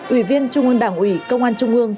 ủy viên trung ương đảng ủy công an trung ương